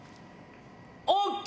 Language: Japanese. ＯＫ！